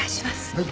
はい。